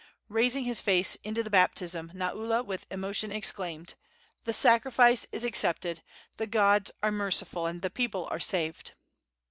Raising his face into the baptism, Naula with emotion exclaimed: "The sacrifice is accepted! The gods are merciful, and the people are saved!"